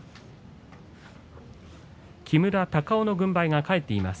木村隆男の軍配が返っています。